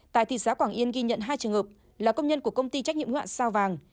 tại thị xã quảng yên ghi nhận hai trường hợp là công nhân của công ty trách nhiệm hoạn sao vàng